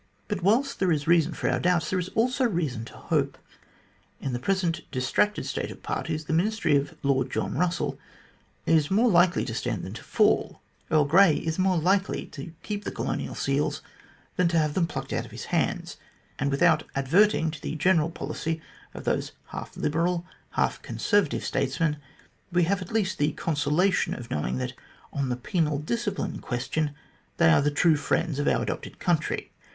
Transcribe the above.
"But whilst there is reason for our doubts, there is also good reason to hope. In the present distracted state of parties, the Ministry of Lord John Russell is more likely to stand than to fall ; Earl Grey is more likely to keep the Colonial Seals than to have them plucked out of his hands, and without adverting to the general policy of those half Liberal, half Conservative statesmen, we have at least the consolation of knowing that on the penal discipline question they are the true friends of our adopted country.